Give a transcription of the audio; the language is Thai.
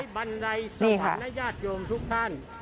บันไดสถานญาติโยมทุกท่าน